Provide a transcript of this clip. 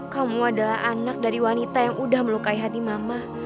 kamu adalah anak dari wanita yang udah melukai hati mama